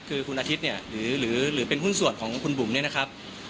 คือคุณอาทิตย์เนี่ยหรือเป็นหุ้นส่วนของคุณบุ๋มเนี่ยนะครับ